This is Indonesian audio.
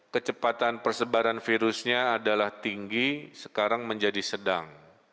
kecepatan persebaran virusnya adalah tinggi sekarang menjadi sedang